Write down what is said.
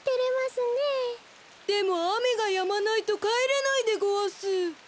でもあめがやまないとかえれないでごわす。